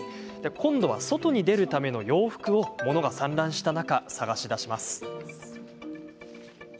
今度は外に出るための洋服を物が散乱した中、捜し出します。